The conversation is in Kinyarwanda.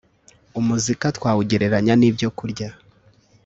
umuzika twawugereranya n ibyokurya